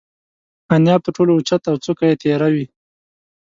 انیاب تر ټولو اوچت او څوکه یې تیره وي.